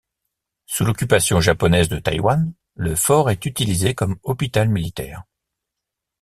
Sous l'occupation japonaise de Taïwan, le fort est utilisé comme hôpital militaire.